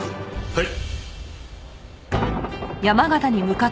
はい。